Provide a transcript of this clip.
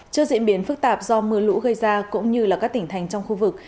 trước diễn biến phức tạp do mưa lũ gây ra cũng như các tỉnh thành trong khu vực